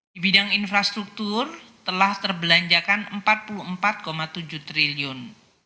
di bidang infrastruktur telah terbelanjakan rp empat puluh empat tujuh triliun